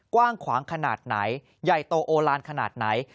กว้างขวางขนาดไหนใหญ่โตโอลานขนาดไหน